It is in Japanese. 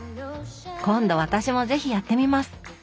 今度私も是非やってみます！